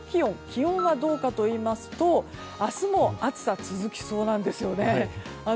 気温はどうかといいますと明日も暑さが続きそうなんです。